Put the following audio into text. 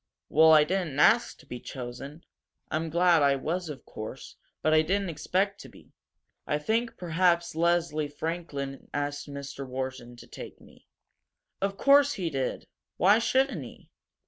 "Well, I didn't ask to be chosen. I'm glad I was, of course, but I didn't expect to be. I think perhaps Leslie Franklin asked Mr. Wharton to take me." "Of course he did! Why shouldn't he?"